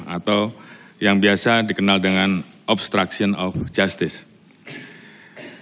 atau yang biasa dikenal dengan obstruction of justice